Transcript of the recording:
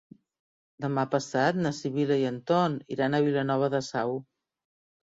Demà passat na Sibil·la i en Ton iran a Vilanova de Sau.